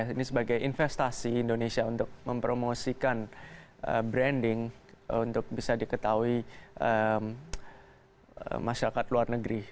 ini sebagai investasi indonesia untuk mempromosikan branding untuk bisa diketahui masyarakat luar negeri